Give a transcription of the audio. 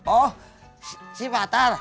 oh si patar